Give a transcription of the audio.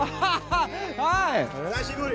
久しぶり！